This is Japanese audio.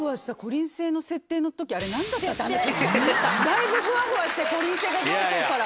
だいぶふわふわしてこりん星がどうこうから。